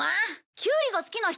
キュウリが好きな人？